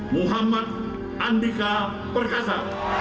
muhammad andika perkasa